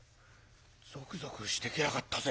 ゾクゾクしてきやがったぜ！